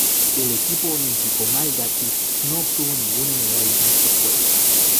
El equipo olímpico malgache no obtuvo ninguna medalla en estos Juegos.